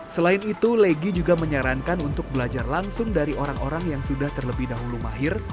selain itu leggy juga menyarankan untuk belajar langsung dari orang orang yang sudah terlebih dahulu mahir